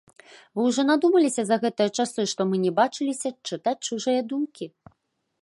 Вы ўжо надумаліся за гэтыя часы, што мы не бачыліся, чытаць чужыя думкі?